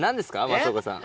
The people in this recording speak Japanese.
松岡さん。